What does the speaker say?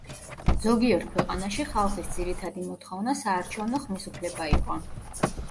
ზოგიერთ ქვეყანაში ხალხის ძირითადი მოთხოვნა საარჩევნო ხმის უფლება იყო.